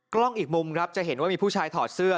กล้องอีกมุมครับจะเห็นว่ามีผู้ชายถอดเสื้อ